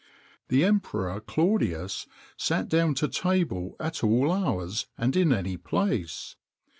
The Emperor Claudius sat down to table at all hours and in any place.